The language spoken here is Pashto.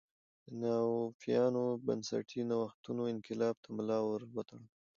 د ناتوفیانو بنسټي نوښتونو انقلاب ته ملا ور وتړله